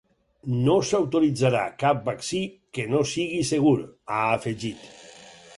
“No s’autoritzarà cap vaccí que no sigui segur”, ha afegit.